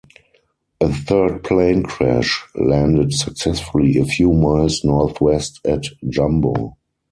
A third plane crash-landed successfully a few miles northwest at Jumbo.